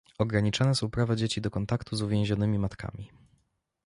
Ograniczane są prawa dzieci do kontaktu z uwięzionymi matkami